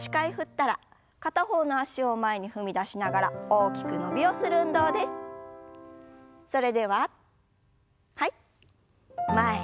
片方の脚を前に踏み出しながら大きく伸びをしましょう。